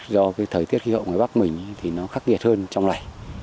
do thời tiết khí hậu ngoài bắc mình nó khắc nghiệt hơn trong này